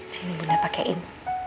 sini bunda pakein